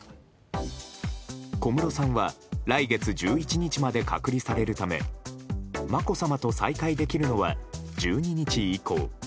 小室さんは来月１１日まで隔離されるためまこさまと再会できるのは１２日以降。